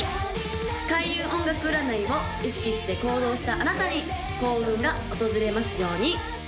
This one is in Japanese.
開運音楽占いを意識して行動したあなたに幸運が訪れますように！